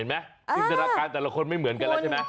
จินตนาการแต่ละคนไม่เหมือนกันแล้วใช่ไหม